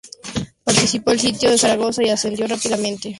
Participó del sitio de Zaragoza y ascendió rápidamente en el escalafón.